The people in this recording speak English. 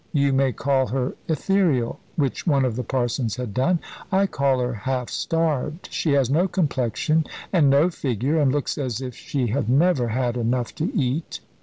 "You may call her ethereal," which one of the parsons had done; "I call her half starved. She has no complexion and no figure, and looks as if she had never had enough to eat."